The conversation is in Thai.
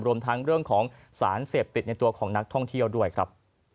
รวมทั้งเรื่องของสารเสพติดในตัวของนักท่องเที่ยวด้วยครับ